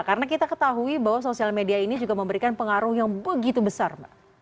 karena kita ketahui bahwa sosial media ini juga memberikan pengaruh yang begitu besar